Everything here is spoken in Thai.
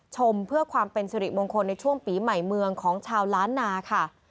ชมเพื่อความเป็นสิริมงคลในช่วงปีใหม่เมืองของชาวล้านนาค่ะ